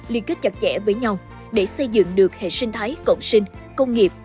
liên kết chặt chẽ với nhau để xây dựng được hệ sinh thái cộng sinh công nghiệp